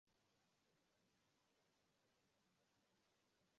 aalam wa maswala ya kiuchumi kutoka sehemu mbali mbali wanakutana mjini goma